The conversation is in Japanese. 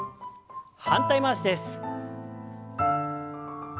反対回しです。